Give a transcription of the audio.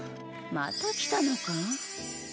また来たのか。